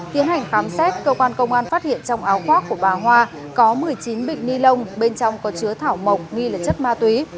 tiến hành khám xét cơ quan công an phát hiện trong áo khoác của bà hoa có một mươi chín bịch ni lông bên trong có chứa thảo mộc nghi là chất ma túy